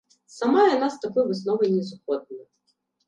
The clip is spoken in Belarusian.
Сама яна з такой высновай не згодна.